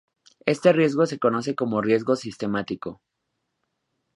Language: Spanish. Este riesgo se conoce como riesgo sistemático.